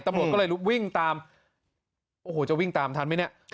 ตำรวจก็เลยวิ่งตามโอ้โหจะวิ่งตามทันไหมเนี่ย